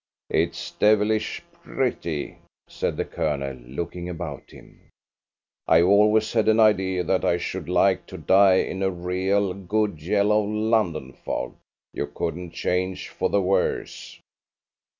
"It's devilish pretty," said the Colonel, looking about him. "I always had an idea that I should like to die in a real, good, yellow London fog. You couldn't change for the worse."